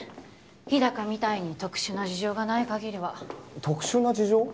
日高みたいに特殊な事情がない限りは特殊な事情？